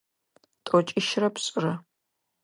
Тӏокӏищырэ пшӏырэ.